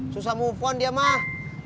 susah move on dia mah